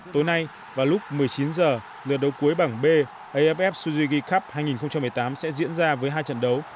tối nay vào lúc một mươi chín h lượt đấu cuối bảng b aff suzgi cup hai nghìn một mươi tám sẽ diễn ra với hai trận đấu